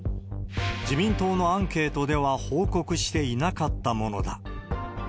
自民党のアンケートでは報告していなかったものだ。